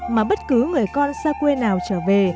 mà bất cứ người con xa quê nào trở về